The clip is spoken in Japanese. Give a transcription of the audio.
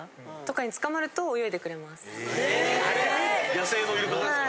野生のイルカですか？